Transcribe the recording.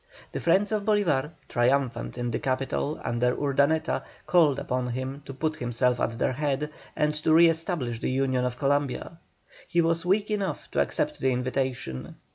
The friends of Bolívar, triumphant in the capital under Urdaneta, called upon him to put himself at their head, and to re establish the Union of Columbia. He was weak enough to accept the invitation.